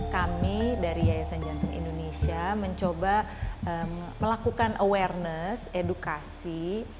kami dari yayasan jantung indonesia mencoba melakukan awareness edukasi